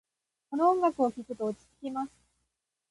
この音楽を聴くと落ち着きます。